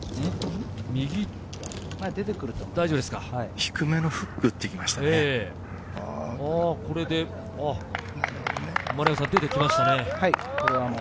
低めのフックを打ってき出てきましたね。